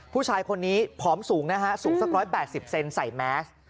ผู้ชายคนนี้ผอมสูงนะฮะสูงสัก๑๘๐เซนใส่แมส